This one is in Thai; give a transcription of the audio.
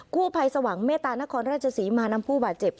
กู้ภัยสว่างเมตตานครราชศรีมานำผู้บาดเจ็บ